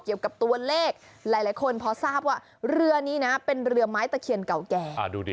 เกี่ยวกับตัวเลขหลายคนพอทราบว่าเรือนี้นะเป็นเรือไม้ตะเคียนเก่าแก่